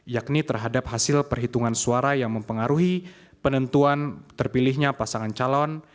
yakni terhadap hasil perhitungan suara yang mempengaruhi penentuan terpilihnya pasangan calon